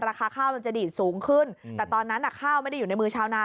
ราคาข้าวมันจะดีดสูงขึ้นแต่ตอนนั้นข้าวไม่ได้อยู่ในมือชาวนา